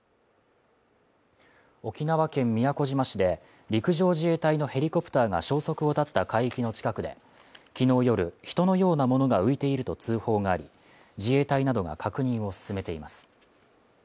沖縄県宮古島市で陸上自衛隊のヘリコプターが消息を絶った海域の近くで昨日夜、「人のようなものが浮いている」と通報があり自衛隊などが確認を進めています。